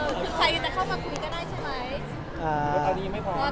ใครจะเข้ามาคุยกันได้ใช่ไหม